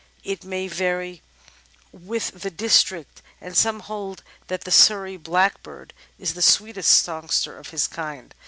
It may vary with the district, and some hold that the Surrey Blackbird is the sweetest songster of his kind.